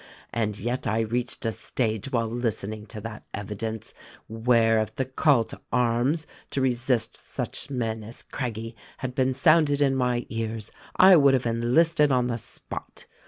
and yet I reached a stage while listening to that evidence, where, if the call to arms to resist such men as Craggie had been sounded in my ears, I would have enlisted on the spot.